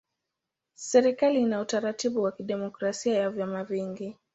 Serikali ina utaratibu wa kidemokrasia ya vyama vingi.